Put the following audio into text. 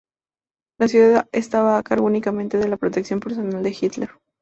La unidad estaba a cargo únicamente de la protección personal de Hitler.